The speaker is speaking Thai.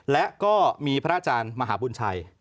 และก็มีพระอาจารย์มหาบุญชัย